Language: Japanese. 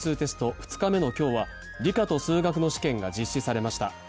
２日目の今日は理科と数学の試験が実施されました。